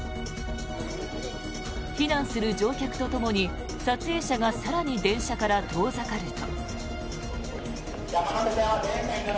避難する乗客とともに撮影者が更に電車から遠ざかると。